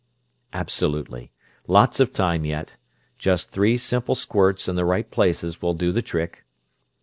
"Absolutely. Lots of time yet. Just three simple squirts in the right places will do the trick."